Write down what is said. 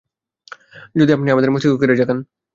যদি আপনি আমাদের মস্তিষ্ক নেড়ে ঝাঁকান।